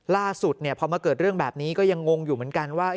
ล่าสุดพอมาเกิดเรื่องแบบนี้ก็ยังงงอยู่เหมือนกันว่า